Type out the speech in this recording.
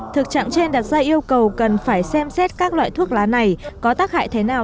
thực trạng trên đặt ra yêu cầu cần phải xem xét các loại thuốc lá này có tác hại thế nào